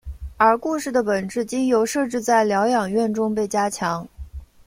而故事的本质经由设置在疗养院中被加强。